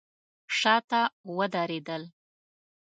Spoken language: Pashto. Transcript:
شاته ودرېدل.